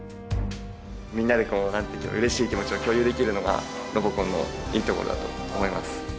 みんなでこううれしい気持ちを共有できるのがロボコンのいいところだと思います。